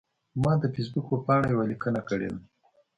ما د فیسبوک په پاڼه یوه لیکنه کړې ده.